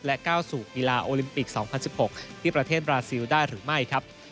ก้าวสู่กีฬาโอลิมปิก๒๐๑๖ที่ประเทศบราซิลได้หรือไม่ครับ